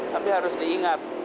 tapi harus diingat